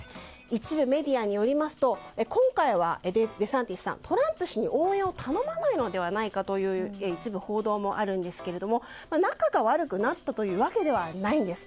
一部メディアによりますと今回はデサンティスさんトランプ氏に応援を頼まないのではないかという一部報道もあるんですけれども仲が悪くなったというわけではないんです。